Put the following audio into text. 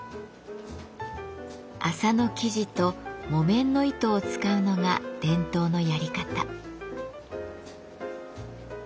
麻の生地と木綿の糸を使うのが伝統のやり方。